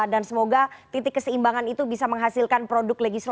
dan semoga titik keseimbangan itu bisa menghasilkan politik yang lebih baik